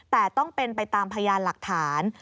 แต่ต้องเป็นไปตามพยานหลักฐาน